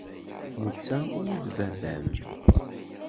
Netta ur d baba-m.